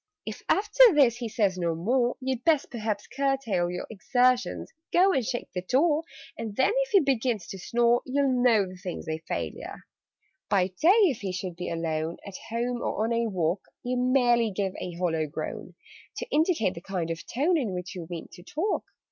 "If after this he says no more, You'd best perhaps curtail your Exertions go and shake the door, And then, if he begins to snore, You'll know the thing's a failure. "By day, if he should be alone At home or on a walk You merely give a hollow groan, To indicate the kind of tone In which you mean to talk.